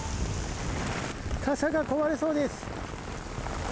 傘が壊れそうです。